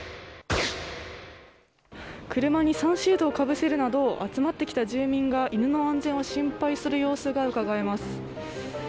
車にサンシェードをかぶせるなど集まってきた住民が犬の安全を心配する様子がうかがえます。